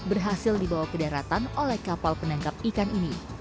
berhasil dibawa ke daratan oleh kapal penangkap ikan ini